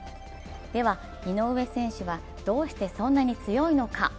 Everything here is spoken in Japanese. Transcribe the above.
では井上選手はどうしてそんなに強いのか。